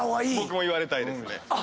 僕も言われたいですね。